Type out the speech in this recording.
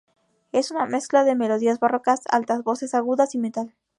Es una mezcla de melodías barrocas, altas voces agudas y metal.